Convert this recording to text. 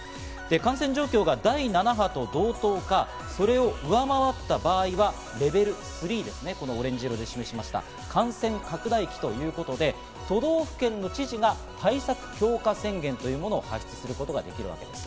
感染状況が第７波と同等か、それを上回った場合はレベル３ですね、このオレンジ色、感染拡大期ということで、都道府県の知事が対策強化宣言というものを発出することができます。